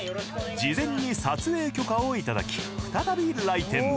事前に撮影許可をいただき再び来店。